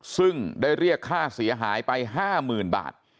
ซึ่งได้เรียกค่าเสียหายไป๕๐๐๐บาท